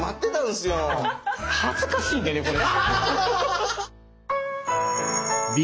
恥ずかしいんでねこれ。